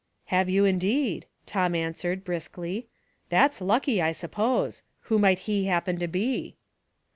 "Have you, indeed?" Tom answered, brisk ly. "That's lucky, I suppose. Who might he happen to be